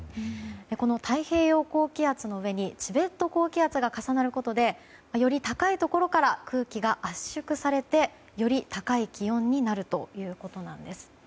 この太平洋高気圧の上にチベット高気圧が重なることでより高いところから空気が圧縮されて、より高い気温になるということです。